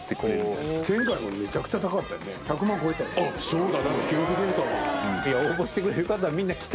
そうだ。